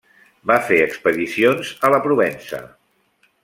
Va fer expedicions a la Provença.